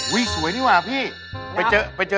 อุ๊ยสวยนี่แหวะพี่ไปเจอกันไงนะครับ